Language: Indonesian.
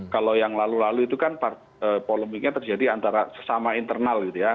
kalau yang lalu lalu itu kan polemiknya terjadi antara sesama internal gitu ya